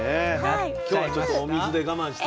今日はちょっとお水で我慢して頂いて。